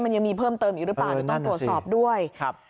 มันยังมีเพิ่มเติมอีกหรือเปล่าต้องตรวจสอบด้วย